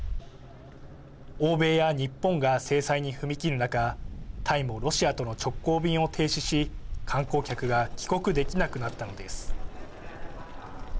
欧米や日本が制裁に踏み切る中タイもロシアとの直行便を停止し観光客が帰国できなくなったのです。